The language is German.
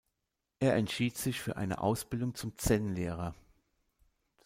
Er entschied sich für eine Ausbildung zum Zen-Lehrer.